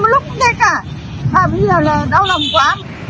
ba ngày một lúc cũng thế cả mà bây giờ là đau lòng quá